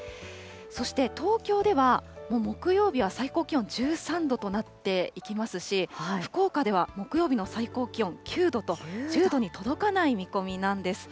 そして東京では、もう木曜日は最高気温１３度となっていきますし、福岡では木曜日の最高気温９度と、１０度に届かない見込みなんです。